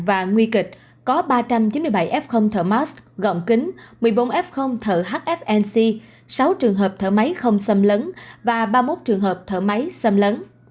và nguy kịch có ba trăm chín mươi bảy f thở mars gọng kính một mươi bốn f thợ hfnc sáu trường hợp thở máy không xâm lấn và ba mươi một trường hợp thở máy xâm lấn